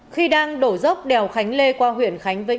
khi đang đổ dốc đèo khánh lê qua huyện khánh vĩnh